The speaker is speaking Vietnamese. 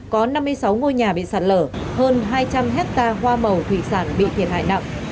có năm mươi sáu ngôi nhà bị sạt lở hơn hai trăm linh hectare hoa màu thủy sản bị thiệt hại nặng